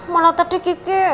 malah tadi ki ki